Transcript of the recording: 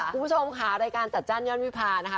คุณผู้ชมค่ะรายการจัดจ้านยอดวิพานะคะ